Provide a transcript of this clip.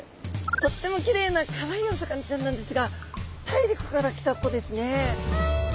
とってもきれいなかわいいお魚ちゃんなんですが大陸から来た子ですね。